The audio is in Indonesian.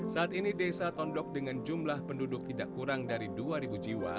saat ini desa tondok dengan jumlah penduduk tidak kurang dari dua jiwa